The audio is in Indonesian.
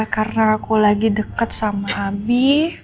apa karena aku lagi deket sama abi